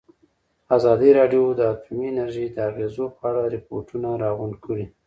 ازادي راډیو د اټومي انرژي د اغېزو په اړه ریپوټونه راغونډ کړي.